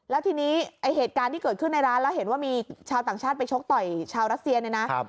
แล้วทีนี้ไอ้เหตุการณ์ที่เกิดขึ้นในร้านแล้วเห็นว่ามีชาวต่างชาติไปชกต่อยชาวรัสเซียเนี่ยนะ